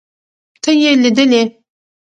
ته يې ليدلې.